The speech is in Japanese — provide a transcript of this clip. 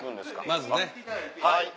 まずね。